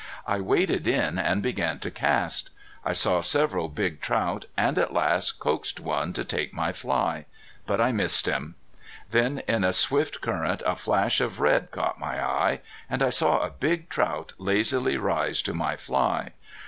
I waded in and began to cast. I saw several big trout, and at last coaxed one to take my fly. But I missed him. Then in a swift current a flash of red caught my eye and I saw a big trout lazily rise to my fly.